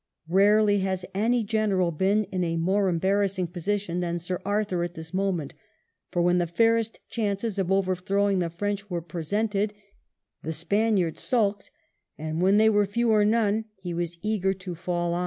Barely has any general been in a more embarrassing position than Sir Arthur at this moment ; for when the fairest chances of overthrow ing the French were presented, the Spaniard sulked, and when they were few or none he was eager to fall on.